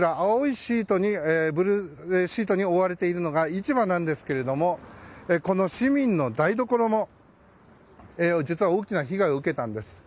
ブルーシートに覆われているのが市場なんですけどこの市民の台所も実は大きな被害を受けたんです。